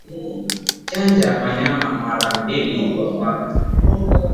Chanja wanyama mara mbili kwa mwaka